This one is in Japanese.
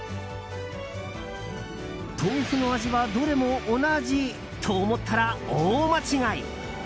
豆腐の味はどれも同じと思ったら大間違い。